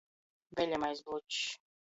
Veļamais blučs.